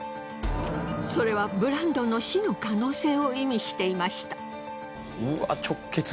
それはブランドンの死の可能性を意味していました。